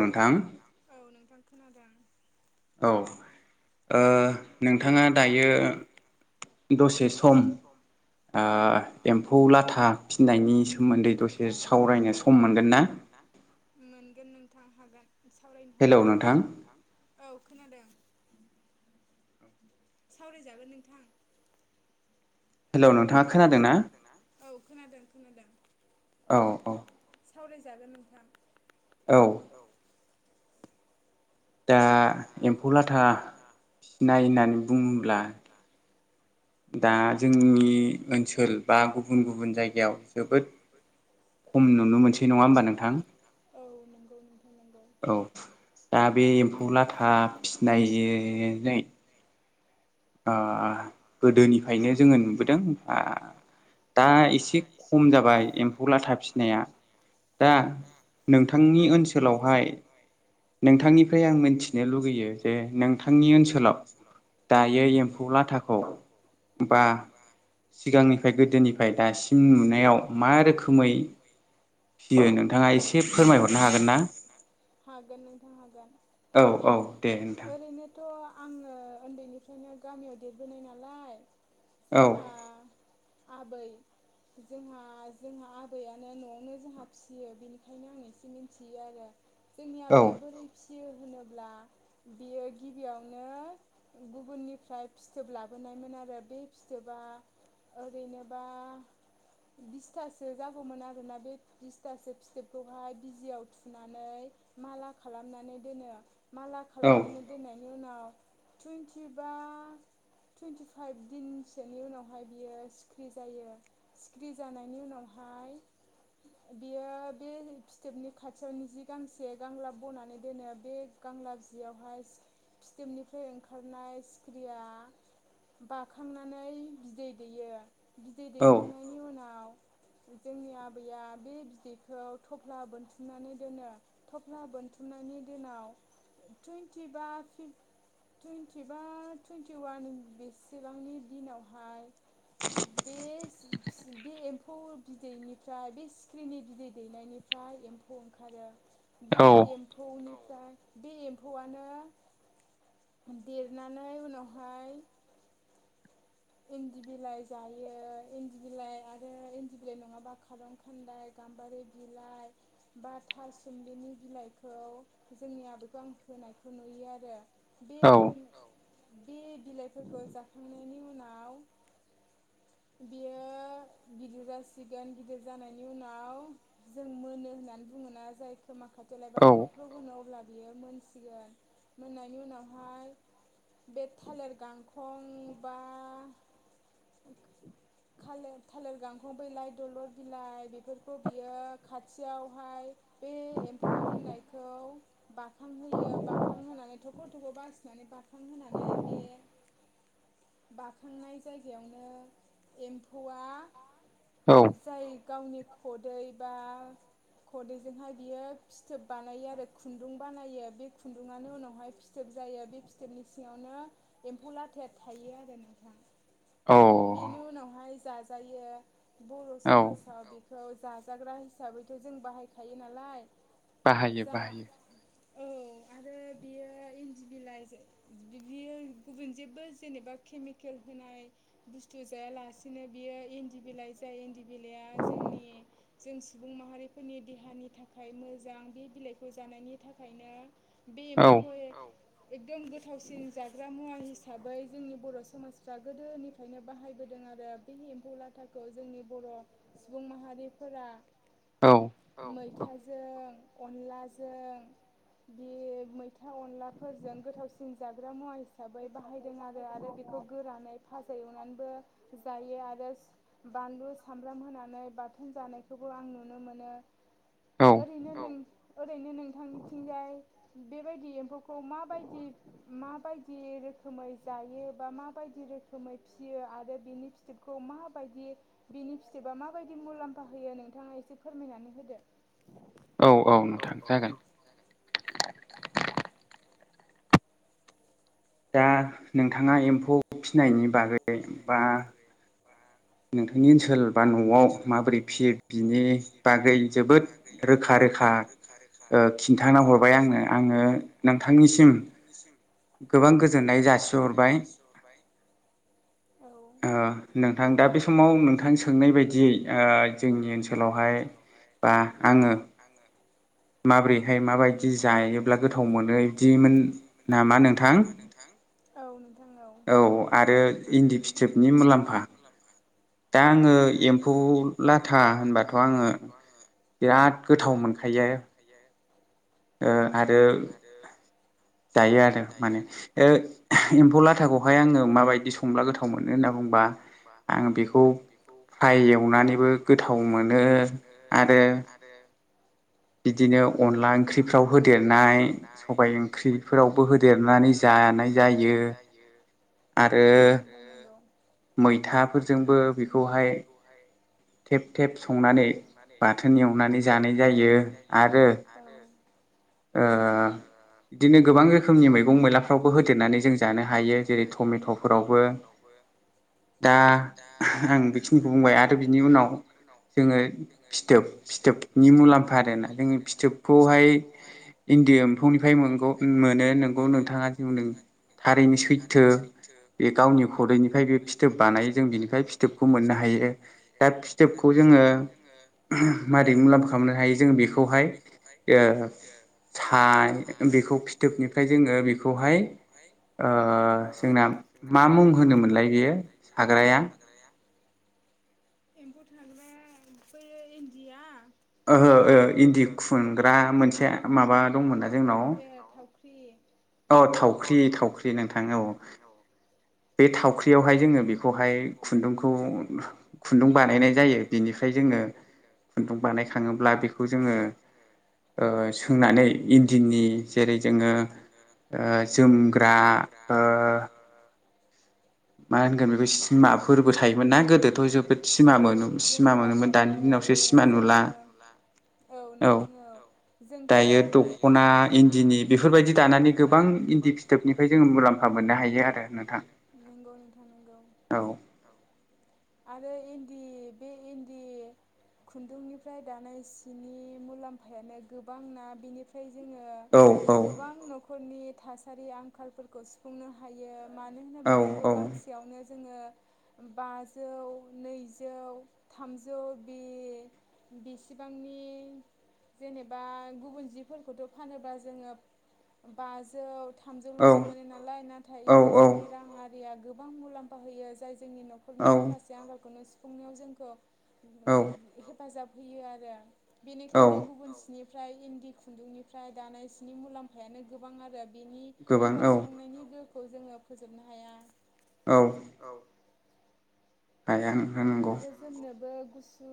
नोंथां [inaudible] औ ओ नोंथाङा दायो दसे सम ओ एम्फौ लाथा फिनायनि सोमोन्दै दसे सावरायनो सम मोनगोन ना? मोनगोन नोंथां हागोन सावरायनो हागोन हेलौ नोंथां औ खोनादों। सावरायजागोन नोंथां। औ खोनादों औ खोनादों। औ औ सावरायजागोन नोंथां। दा एम्फौ लाथा फिसिनाय होननानै बुङोब्ला दा जोंनि ओनसोल बा गुबुन गुबुन जायगायाव जोबोद खम नुनो मोनसै नङा होमबा नोंथां? औ दा बे एम्फौ लाथा फिसिनानै ओ गोदोनिफ्रायनो जोङो नुबोदों ओ दा एसे खम जाबाय एम्फौ लाथा फिसिनाया। दा नोंथांनि ओनसोलावहाय नोंथांनिफ्राय आं मिथिनो लुगैयो जे नोंथांनि ओनसोलाव दायो एम्फौ लाथाखौ बा सिगांनिफ्राय गोदोनिफ्राय दासिम नुनायाव मा रोखोमै फियो नोंथाङा एसे फोरमायहरनो हागोन ना? [unintelligible] औ औ दे नोंथां। थ' आङो उन्दैनिफ्रायनो गामियाव देरबोनाय नालाय। जोंहा आबै जोंहा जोंहा आबैयानो न'आवनो जोंहा फिसियो बेनिखायनो आं एसे मिथियो आरो। जोंनि आबैआ बोरै फिसि फियो होनोब्ला बियो गिबियावनो गुबुननि ओमफ्राय फिथोब लाबोनायमोन आरो बे फिथोबा ओरैनोबा बिसथासो जागौमोन आरोना बे बिसथासो फिथोबखौहाय बिजियाव थुनानै माला खालामनानै दोनो। माला खालामनानै दोननायनि उनाव [unintelligible] बा [inaudible] टुइनटिफाइभ दिनसोनि उनावहाय बियो सिखिरि जायो सिखिरि जानायनि उनावहाय [inaudible] बेयो बे फिथोबनि खाथियाव निजि गांसे गांलाब बनानै दोनो बे आंलाबजयावहाय फिथोबनिफ्राय ओंखारनाय फुख्रिया बाखांनानै बिदै दैयो बिदै दैखांनायनि उनाव जोंनि आबैया बे बिदैखौ थफ्ला बोनथुमनानै दोनो थफ्ला बोन [unintelligible] टुइन्टिवान बेसेबांनि दिनावहाय बे बे एम्फौ बिदैनिफ्राय बे सिख्रिनि बिदै दैनायनिफ्राय एम्फौ ओंखारो बे एमफौनिफ्राय बे एम्फौआनो देरनानै ओमफ्राय उनावहाय इन्दि बिलाइ जायो इन्दि बिलाइ आरो इन्दि बिलाइ नङाबा खारं खान्दाय [unintelligible] नायखौ नुयो आरो बे होन बिलाइफोरखौ जाखांनायनि उनाव [unintelligible] गिदिर जासिगोन गिदिर जानायनि उनाव जों मोनो होननानै बुङोना जायखौ खोमा खाथिेलायबा ख्रुब ख्रुब होनो अब्ला बियो मोनसिगोन मोननायनि उनावहाय बे थालिर गांखं बा [inaudible] ल थालिर गांखं बिलाइ दलर बिलाइ बेफोरखौ बियो खाथियावहाय बे एम्फौ मोननायखौ बाखां होयो बाखां होनानै थख' थख' बासिनानै होनानै बे थांनाय जायगायावनो एम्फौआ जाय गावनि खदै बा खदैजोंहाय बियो फिथोब बानायो आरो खुन्दुं बानायो बे खुन्दुंङनो उनावहाय फिथोब जायो। जायो बे फिथोबनि सिङावनो एम्फौ लाथाया थायो आरो ना। बेनि उनावहाय जाजायो बर' समाजाव बेखौ जाजाग्रा हिसाबै जों बाहायखायो नालाय जा औ आरो बियो इन्दि बिलाइ बियो गुबुन जेबो जेनेबा केल होनाय बुस्थु जायालासिनो बियो इन्दि बिलाइ जाय इन्दि बिलाइआ जोंनि जों सुबुं माहारिफोरनि देहानि थाखाय मोजां बे बिलाइखौ जानायनि थाखायनो बे एम्फौखौ एकदम गोथावसिन जाग्रा मुवा हिसाबै जोंनि बर' समाजफ्रा गोदोनिफ्रायनो बाहायबोदों आरो बे एम्फौ लाथाखौ जोंनि बर' सुबुं माहारि [unintelligible] औ मैथाजों अनलाजों बे मैथा अनलाफोरजों गोथावसिन जाग्रा मुवा हिसाबै बाहायदों आरो आरो बेखौ खौ गोरानै फाजा एवनानैबो जायो आरो बानलु सामब्राम होनानै बाथोन जानायखौबो आं नुनो मोनो ओरैनो नों ओरैनो नोंथांनिथिंजाय बेबायदि एम्फौखौ माबायदि माबायदि रोखोमै जायो माबायदि रोखोमै फिसियो आरो बिनि फिथोबखौ म बिनि फिथोबा मायदि आों मुलाम्फा होयो नोंथाङा एसे फोरमायनानै होदो। औ औ नोंथां जागोन। दा नोंथाङा एम्फौ फिनायनि बागै बा नोंथांनि ओनसोल बा न'आव माबोरै फिसियो बिनि बागै जोबोद रोखा रोखा खिन्थाना हरबाय आंनो आङो नोंथांनिसिम गोबां गोजोननाय जासिहरबाय ओ नों नोंथां दा बे समाव नोंथां सोंनाय बायदि जि ओ जोंनि ओनसोलावहाय बा आङो माब्रैहाय माबायदि जायोब्ला गोथाव मोनो बिदिमोन नामा नोंथां? औ आरो इन्दि फिथोबनि मुलाम्फा दा आङो एम्फौ लाथा होनबाथ' आङो बिराद गोथाव मोनखायो। ओ आरो जायो आरो माने ओ एम्फौ लाथाखौहाय आङो माबायदि संला गोथाव मोनो होनना बुंबा आं बेखौ फाय एवनानैबो गोथाव मोनो आरो बिदिनो अनला ओंख्रिफ्राव होदेरनाय सबाय ओंख्रिफोरावबो होदेरनानै जा नानै जानाय जायो आरो मैथाफोरजोंबो बेखौहाय थेब थेब संनानै बाथोन एवनानै जानाय जायो। आरो ओ बिदिनो गोबां रोखोमनि मैगं मैलाफ्रावबो होदेरनानै जों जानो हायो जेरै टमेट'फोरावबो। दा आं बेखिनिखौ बुंबाय आरो आरो बिनि उनाव जोङो फिथोब फिथोबनि मुलाम्फा आरोना जोंङो फिथोबखौहाय इन्दि एमफौनिफ्रायग मोनो नोंगौ नोंथाङा [unintelligible] थारैनो सैथो बे गावनि खदैनिफ्राय बे फिथोब बानायो जों बिनिफ्राय फिथोबखौ मोननो हायो। हायो दा फिथोबखौ जोङो मादैक मुलाम्फा खालामनो हायो जों बेखौहाय ओ साय बेखौ फिथोबनिफ्राय जोङो बेखौहाय ओ जोंना मा मुं होनोमोनलाय बेयो हाग्राया? एम्फौ थाग्रा बैयो इन्दिया ओहोओ इन्दि खुनग्रा मोनसे माबा दंमोन। बे औ थावख्रि थावख्रि नोंथां औ। बे थावख्रियावहाय जोङो बेखौहाय खुुनदुंखौ थुन बनाय जायो बिनिफ्राय जोङो खुन्दुं बानायखाङोब्ला बेखौ जोङो ओ सोंनानै इन्दिननि जेरै जोङो ओ जोमग्रा ओ मा होनगोन बेखौ सिमाफोरबो थायोमोन नना गोदोथ' जोबोद सिमा मोनोमोन सिमा मोनोमोन दानि दिनावसो सिमा नुला। औ नोंथाङो जोंथ' दायो दख'ना इन्दिनि बेफोरबायदि जि दानानै गोबां इन्दि फिथोबनिफ्राय जों मुलाम्फा मोननो हायो आरो नोंथां। [inaudible] आरो [inaudible] खुन्दुंनिफ्राय दानाय सिनि मुलाम्फायानो गोबां ना बिनिफ्राय जोङो गोबां न'खरनि थासारि आंखालफोरखौ सुफुंनो हायो। मानो होनोबा बेखौ गांसेयावनो जोङो बाजौ नैजौ थामजौ बे बेसेबांनि जेनेबा गुबुन जिफोरखौथ' फानोब्ला जोङो बाजौ थामजौल'सो मोनो नालाय नाथाय इन्दि सिनि राङारिया गोबां मुलाम्फा होयो जाय जोंनि न'खरनि माखासे आंखालखौनो सुफुंनायाव जोंखौ हेफाजाब होयो आरो बेनिखायनो गुबुनसनि बेनिफ्राय इन्दि खुन्दुंनिफ्राय दानाय सिनि मुलाम्फायानो गोबां आरो। बेनि आंखाल सुफुंनायनि गोहोखौ जोङो फोजोबनो हाया। औ हाया औ नांगौ गुसु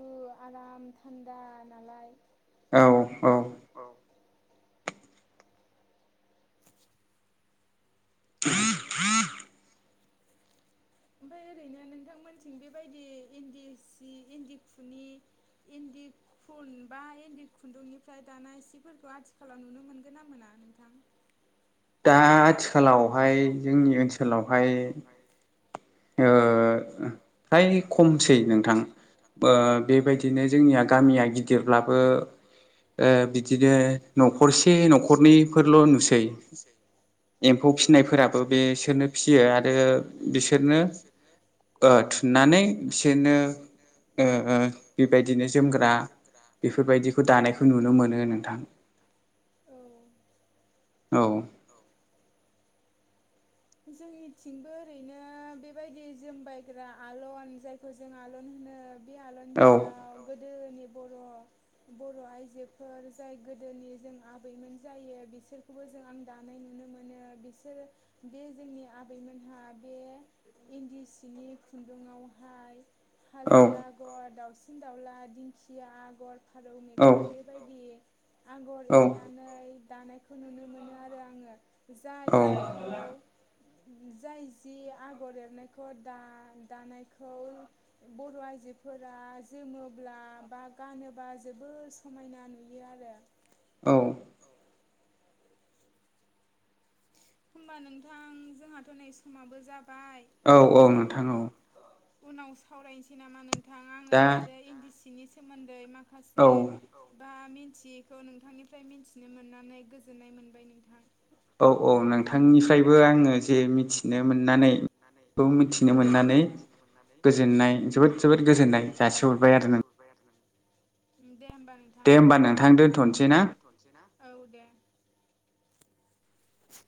आराम थान्दा नालाय औ औ [inaudible] ओमफफ्राय ओरैनो नोंथांमोनथिं बेबायदि इन्दि सि इन्दि खुनि इन्दि खुन बा इन्दि खुन्दुंनिफ्राय दाना इसेफोरखौ आथिखालाव नुनो मोनगोन ना मोना? दा आथिखालावहाय जोंनि ओनसोलावहाय ओ फ्राय खमसै नोंथां। ओ बेबायदिनो जोंनिया गामिया गिदिरब्लाबो ओ बिदिनो न'खरसे न'खरनैफोरल' नुसै। एम्फौ फिसिनायफोराबो बिसोरनो फियो आरो बिसोरनो ओ थुननानै बिसोरनो ओ बेबायदिनो जोमग्रा बेफोरबायदिखौ दानायखौ नुनो मोनो नोंथां। औ जोंनिथिंबो ओरैनो बेबायदि जोमबायग्रा आलन जायखौ जों आलन होनो। बे आलजयाव गोदोनि बर' आइजोफोर जाय गोदोनि जों आबैमोन जायो बिसोरखौबो जों जों आं दानाय नुनो मोनो बिसोरो बे जोंनि आबैमोनहा बे इन्दि सिनि खुन्दुआवहाय हाजो आगर दाउसिन दाउला दिंखिया आगर फारौ मेगन बेबायदि आगर एरनानै दानायखौ नुनो मोनो आरो आङो जाय जि ला जाय जि आगर एरनायखौ दा दानायखौ बर' आइजो फोर जोमोब्ला बा गानोब्ला जबोद समायना नुयो आरो। औ हबा नोंथां जोंहाथ' नै समाबो जाबाय। उनाव सावरायनोसै नामा नों दा बिनि सोमोन्दै माखासे बा मिथियैखौ नोंथांनिफ्राय मिथिनो मोननानै गोजोननाय मोनबाय नोंथां। औ औ नोंथांनिफ्रायबो आङो जे मिथिनो मोननानै मिथिनो मोननानै मिथिनो मोननानै गोजोननाय जोबोद जोबोद गोजोननाय जासिहरबाय आरो नों दे होमबा नोंथां दे हबा नोंथां दोनथ'नोसै ना औ दे। [inaudible]